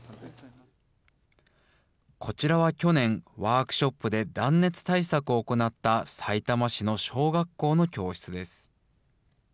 こちらは去年、ワークショップで断熱対策を行ったさいたま市の小学校の教室です。